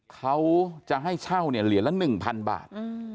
เขาจะให้เช่าเนี่ยเหรียญละ๑๐๐บาท